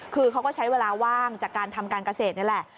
คือเขาก็ใช้เวลาว่างจากการทำการเกษตรนี่แหละ